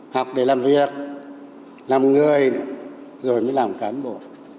học để làm việc làm người rồi mới làm cán bộ